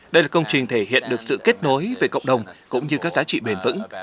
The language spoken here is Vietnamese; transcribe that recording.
đây là công trình thể hiện được sự kết nối về cộng đồng cũng như các giá trị bền vững